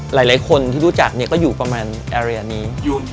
หลายคนที่รู้จักก็อยู่ประมาณเอเรียนี้